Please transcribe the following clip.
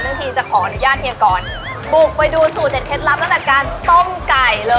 ทีจะขออนุญาตเฮียก่อนบุกไปดูสูตรเด็ดเคล็ดลับตั้งแต่การต้มไก่เลย